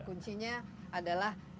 kunci nya adalah inovasi